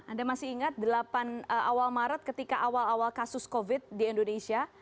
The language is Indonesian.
anda masih ingat awal maret ketika awal awal kasus covid di indonesia